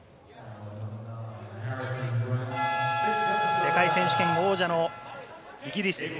世界選手権王者のイギリス。